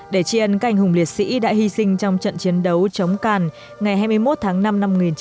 để tri ân cảnh hùng liệt sĩ đã hy sinh trong trận chiến đấu chống cản ngày hai mươi một tháng năm năm một nghìn chín trăm năm mươi bốn